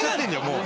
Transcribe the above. もう。